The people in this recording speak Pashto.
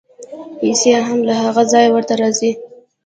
پیسې هم له هغه ځایه ورته راځي.